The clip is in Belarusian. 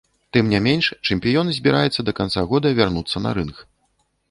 Тым не менш, чэмпіён збіраецца да канца года вярнуцца на рынг.